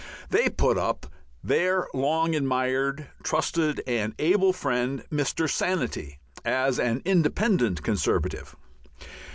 They put up their long admired, trusted, and able friend Mr. Sanity as an Independent Conservative.